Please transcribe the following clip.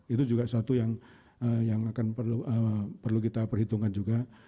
itu juga suatu yang akan perlu kita perhitungkan juga